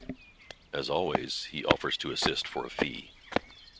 As always, he offers to assist for a fee.